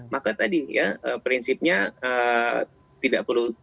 maka tadi prinsipnya tidak perlu dikonsumsi